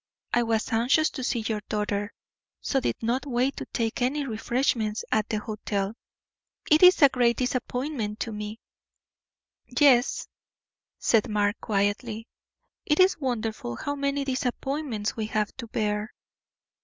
I was anxious to see your daughter, so did not wait to take any refreshments at the hotel. It is a great disappointment to me." "Yes," said Mark, quietly, "it is wonderful how many disappointments we have to bear."